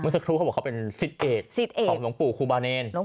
เมื่อสักทุกเขาบอกว่าเขาเป็นสิทธิ์เอกของหลวงปู่ครูบาเนน